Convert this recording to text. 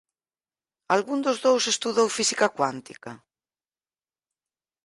Algún dos dous estudou física cuántica?